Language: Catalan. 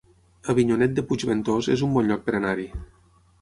Avinyonet de Puigventós es un bon lloc per anar-hi